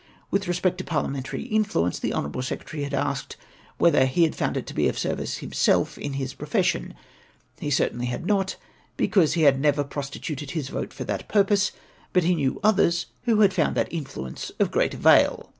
With respect to parliamentary influence, the honourable secretary had asked whether he lead found it of service to himself in his ^profession ? He cer tainly had not, because he had never 'prostituted his vote for that puipose ; but he knew others ivho had found that 'in fluence of great avail!